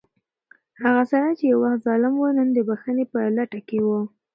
هغه سړی چې یو وخت ظالم و، نن د بښنې په لټه کې و.